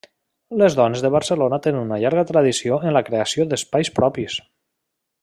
Les dones de Barcelona tenen una llarga tradició en la creació d’espais propis.